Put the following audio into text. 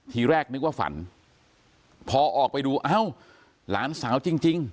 ทีแรกนึกว่าฝันพอออกไปดูเอ้าหลานสาวจริง